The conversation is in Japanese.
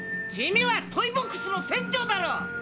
君はトイボックスの船長だろ！